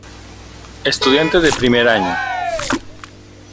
Estudiante de primer año.